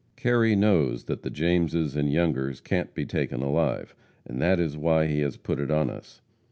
Kerry knows that the Jameses and Youngers can't be taken alive, and that is why he has put it on us.